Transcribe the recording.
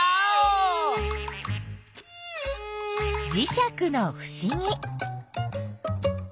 じしゃくのふしぎ。